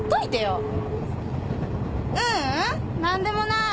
ううん何でもない。